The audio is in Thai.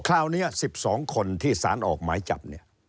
คราวนี้๑๒คนที่สารออกหมายจับเนี่ย